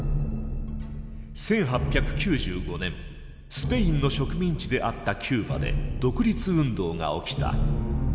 １８９５年スペインの植民地であったキューバで独立運動が起きた。